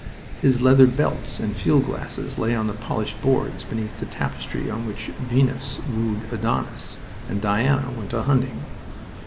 His leather belts and field glasses lay on the polished boards beneath the tapestry on which Venus wooed Adonis and Diana went a hunting.